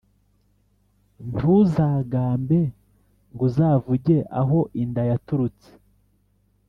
Ntuzagambe nguzavuge aho inda yaturutse”.